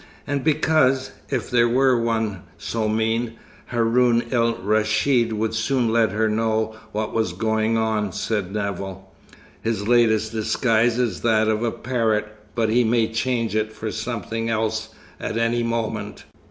And because, if there were one so mean, Haroun el Raschid would soon let her know what was going on," said Nevill. "His latest disguise is that of a parrot, but he may change it for something else at any moment."